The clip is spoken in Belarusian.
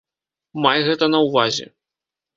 Май гэта на ўвазе.